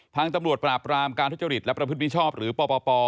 ทางตำรวจปราบรามการทุจริตและประพฤติมิชอบหรือปป